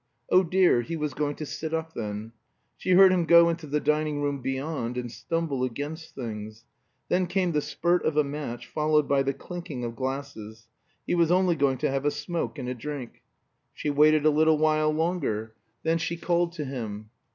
(Oh, dear! He was going to sit up, then.) She heard him go into the dining room beyond and stumble against things; then came the spurt of a match, followed by the clinking of glasses. (He was only going to have a smoke and a drink.) She waited a little while longer, then she called to him.